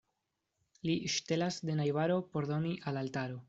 Li ŝtelas de najbaro, por doni al altaro.